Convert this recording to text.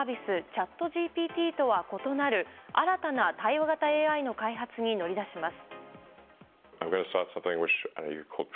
チャットＧＰＴとは異なる新たな対話型ＡＩの開発に乗り出します。